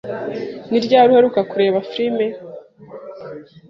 Ni ryari uheruka kureba firime?